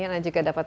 anda juga dapat